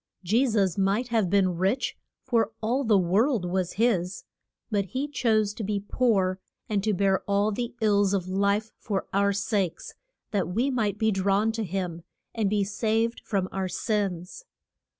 Je sus might have been rich, for all the world was his; but he chose to be poor, and to bear all the ills of life for our sakes, that we might be drawn to him, and be saved from our sins.